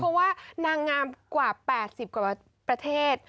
เพราะว่านางงามกว่า๘๐กว่าประเทศ